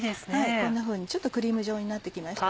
こんなふうにちょっとクリーム状になって来ました。